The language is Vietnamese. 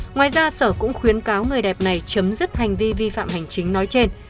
ngoài ra sở cũng khuyến cáo người đẹp này chấm dứt hành vi vi phạm hành chính nói trên